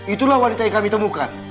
itulah wanita yang kami temukan